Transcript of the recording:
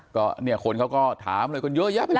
ก็เนี่ยคนเขาก็ถามเลยคนเยอะแยะไปเลย